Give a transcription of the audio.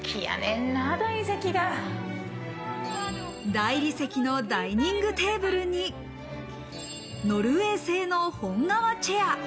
大理石のダイニングテーブルにノルウェー製の本革チェア。